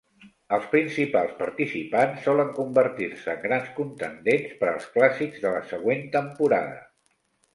Els principals participants solen convertir-se en grans contendents per als clàssics de la següent temporada.